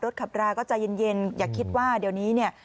ขับราก็ใจเย็นอย่าคิดว่าเดี๋ยวนี้เนี่ย